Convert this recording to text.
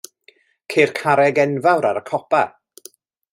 Ceir carreg enfawr ar y copa.